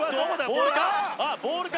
ボールか？